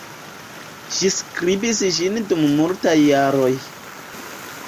Ŝi skribis ĝin dum multaj jaroj.